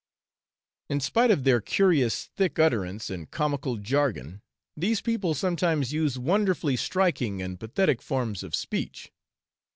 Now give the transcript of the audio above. In spite of their curious thick utterance and comical jargon, these people sometimes use wonderfully striking and pathetic forms of speech.